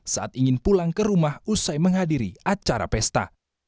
saat ingin pulang ke rumah usai menghadiri acara pesta